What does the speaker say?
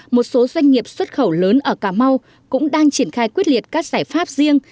một số doanh nghiệp xuất khẩu lớn ở cà mau cũng đang triển khai quyết liệt các giải pháp riêng